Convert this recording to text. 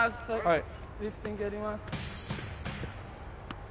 はい。